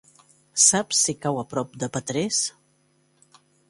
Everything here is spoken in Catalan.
Saps si cau a prop de Petrés?